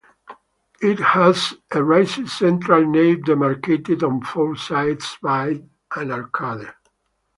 It has a raised central nave demarcated on four sides by an arcade.